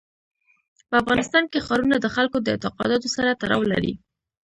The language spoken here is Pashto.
په افغانستان کې ښارونه د خلکو د اعتقاداتو سره تړاو لري.